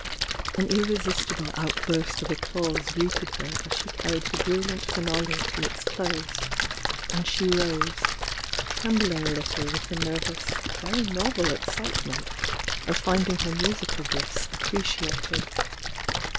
An irresistible outburst of applause greeted her as she carried the brilliant finale to its close, and she rose, trembling a little with the nervous and very novel excitement of finding her musical gifts appreciated.